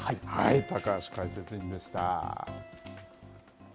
高橋解説委員でした。